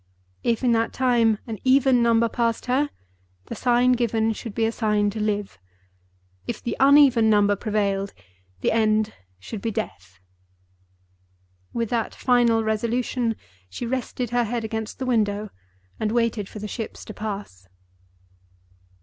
If in that time an even number passed her, the sign given should be a sign to live. If the uneven number prevailed, the end should be Death. With that final resolution, she rested her head against the window and waited for the ships to pass.